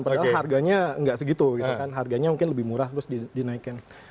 padahal harganya tidak segitu harganya mungkin lebih murah terus dinaikkan